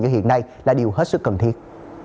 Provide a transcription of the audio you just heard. như hiện nay là điều hết sức cần thiết